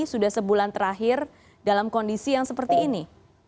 sudah sebulan terakhir dalam kondisi yang seperti ini